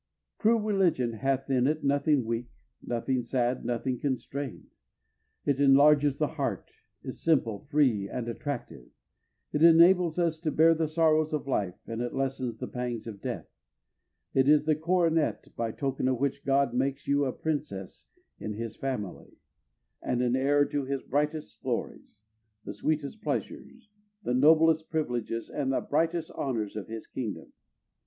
True religion hath in it nothing weak, nothing sad, nothing constrained. It enlarges the heart, is simple, free, and attractive. It enables us to bear the sorrows of life, and it lessens the pangs of death. It is the coronet by token of which God makes you a princess in his family and an heir to his brightest glories, the sweetest pleasures, the noblest privileges, and the brightest honors of his kingdom.